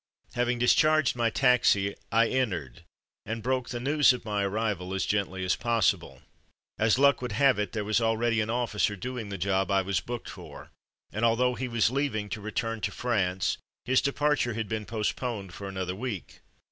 Hav ing discharged my taxi I entered, and broke the news of my arrival as gently as possible. As luck would have it, there was already an officer doing the job I was booked for, and although he was leaving to return to France his departure had been postponed for another week.